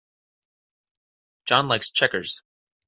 John likes checkers.